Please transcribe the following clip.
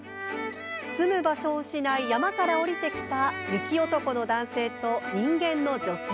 住む場所を失い山から下りてきた雪男の男性と人間の女性。